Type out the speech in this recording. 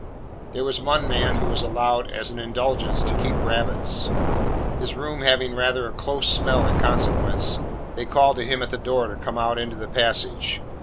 There was one man who was allowed, as an indulgence, to keep rabbits. His room having rather a close smell in consequence, they called to him at the door to come out into the passage.